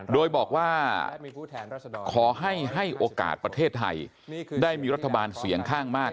โดยบอกว่าขอให้ให้โอกาสประเทศไทยได้มีรัฐบาลเสียงข้างมาก